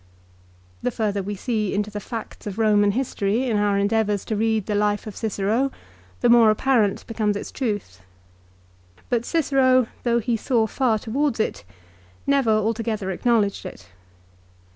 The further we see into the facts of Eoman history in our endeavours to read the life of Cicero, the more apparent becomes its truth. But Cicero, though he saw far towards it, never altogether acknowledged it.